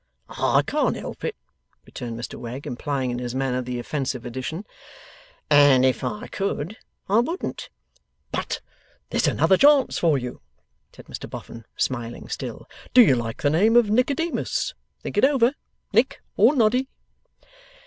'I can't help it!' returned Mr Wegg. Implying in his manner the offensive addition, 'and if I could, I wouldn't.' 'But there's another chance for you,' said Mr Boffin, smiling still, 'Do you like the name of Nicodemus? Think it over. Nick, or Noddy.